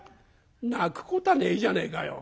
「泣くこたあねえじゃねえかよ。